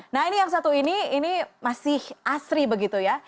nah ini yang satu ini ini masih asri begitu ya